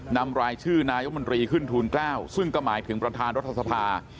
นำรายชื่อนายมนตรีขึ้นทูล๙ซึ่งก็หมายถึงประธานรัฐสภา